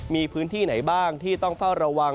มีพื้นที่ไหนบ้างที่ต้องเฝ้าระวัง